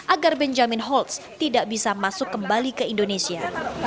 agar benjamin holtz tidak bisa masuk kembali ke indonesia